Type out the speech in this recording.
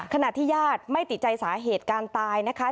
ขณะที่ญาติไม่ติดใจสาเหตุการตายนะคะ